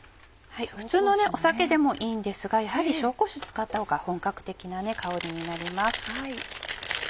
普通の酒でもいいんですがやはり紹興酒使ったほうが本格的な香りになります。